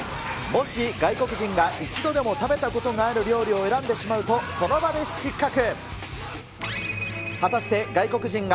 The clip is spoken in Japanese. もし外国人が一度でも食べたことがある料理を選んでしまうと、その場で失格。